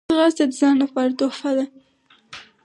ځغاسته د ځان لپاره تحفه ده